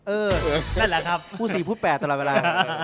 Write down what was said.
เออพูดสี่พูดแปดตลอดเวลา